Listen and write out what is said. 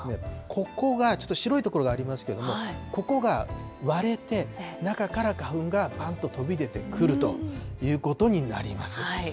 ここがちょっと白いところがありますけれども、ここが割れて、中から花粉がぱんと飛び出てくるということになります。